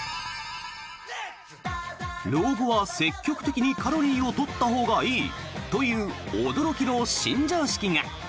老後は積極的にカロリーを取ったほうがいいという驚きの新常識が。